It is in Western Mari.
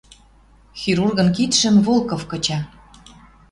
Хирургын кидшӹм Волков кыча...